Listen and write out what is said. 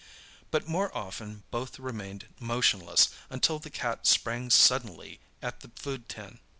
But more often both remained motionless until the cat sprang suddenly at the food tin.